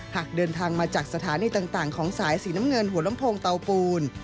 หากเดินทางมาจากสถานีต่างของสายสีน้ำเงินหัวลำโพงเตาปูน